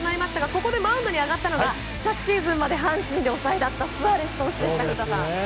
ここでマウンドに上がったのが昨シーズンまで阪神で抑えだったスアレス投手でした古田さん。